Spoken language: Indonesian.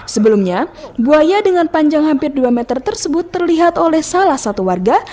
sebelumnya buaya dengan panjang hampir dua meter tersebut terlihat oleh salah satu warga